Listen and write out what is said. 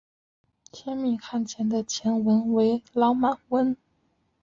天命汗钱的钱文为老满文。